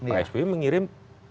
pak sby mengirim